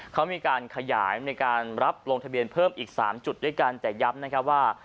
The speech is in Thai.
เขามีการขยายมีการรับลงทะเบียนเพิ่มอีก๓จุดด้วยกันแต่ย้ำนะครับว่า